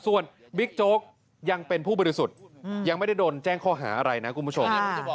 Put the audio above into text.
ส่วนบิ๊กโจ๊กยังเป็นผู้บริสุทธิ์ยังไม่ได้โดนแจ้งข้อหาอะไรนะคุณผู้ชม